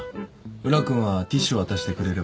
宇良君はティッシュ渡してくれれば。